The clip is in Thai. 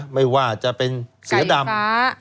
ไม่ว่าจะเป็นเสือดำ